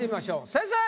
先生！